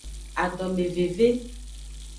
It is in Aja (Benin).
Adomeveve.